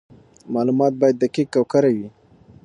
معلومات باید دقیق او کره وي.